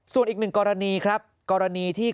ส่วนอีกหนึ่งกรณีครับกรณีที่